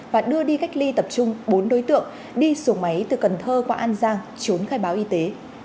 và đưa đi cách ly tập trung bốn đối tượng đi xuồng máy từ cần thơ qua an giang trốn khai báo y tế